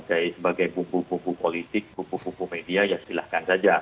sebagai buku buku politik buku buku media ya silahkan saja